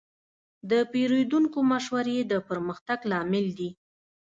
د پیرودونکو مشورې د پرمختګ لامل دي.